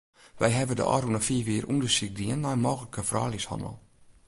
Wy hawwe de ôfrûne fiif jier ûndersyk dien nei mooglike frouljushannel.